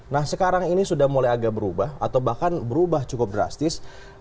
nah sekarang ini sudah mulai agak berubah atau bahkan berubah cukup drastis